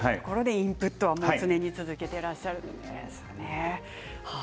インプットを常に続けているんですね。